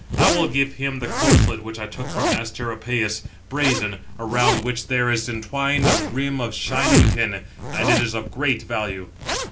I will give him the corslet which I took from Asteropæus, brazen, around which there is entwined a rim of shining tin; and it is of great value."